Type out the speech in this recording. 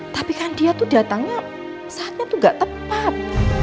tapi kan dia tuh datangnya saatnya tuh gak tepat